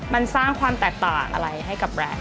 มันสร้างความแตกต่างอะไรให้กับแบรนด์